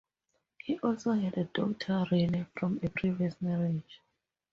He also had a daughter Renee from a previous marriage.